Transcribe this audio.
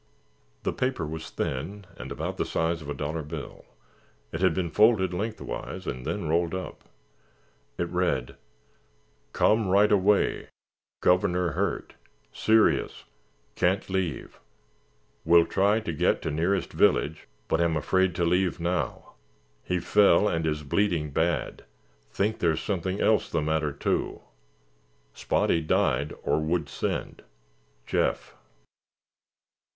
The paper was thin and about the size of a dollar bill; it had been folded lengthwise and then rolled up. It read: "Come right away. Governor hurt. Serious. Can't leave. Will try to get to nearest village but am afraid to leave now. He fell and is bleeding bad. Think there's something else the matter, too. Spotty died or would send. Jeff."